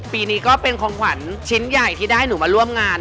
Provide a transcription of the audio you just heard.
ปีนี้ก็เป็นของขวัญชิ้นใหญ่ที่ได้หนูมาร่วมงาน